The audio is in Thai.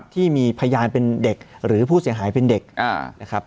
ที่มีพยานเป็นเด็กหรือผู้เสียหายเป็นเด็กนะครับ